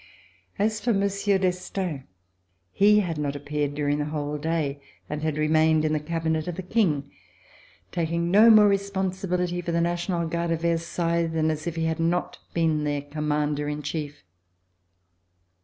As for Monsieur d'Estaing, he had not appeared during the whole day and had remained in the cabinet of the King, taking no more responsibility for the National Guard of Versailles than as if he had not been their com mander in chief.